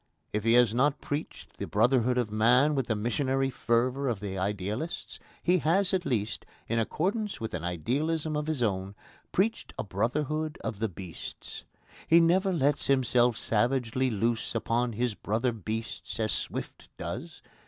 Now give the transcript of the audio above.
If he has not preached the brotherhood of man with the missionary fervour of the idealists, he has at least, in accordance with an idealism of his own, preached a brotherhood of the beasts. He never lets himself savagely loose upon his brother beasts as Swift does.